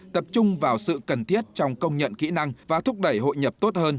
tập trung vào sự cần thiết trong công nhận kỹ năng và thúc đẩy hội nhập tốt hơn